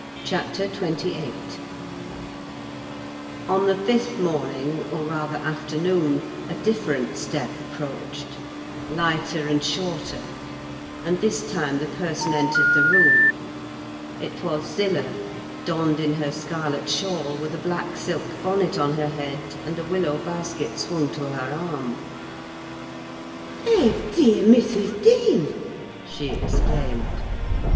CHAPTER XXVIII On the fifth morning, or rather afternoon, a different step approached—lighter and shorter; and, this time, the person entered the room. It was Zillah; donned in her scarlet shawl, with a black silk bonnet on her head, and a willow basket swung to her arm. "Eh, dear! Mrs. Dean!" she exclaimed.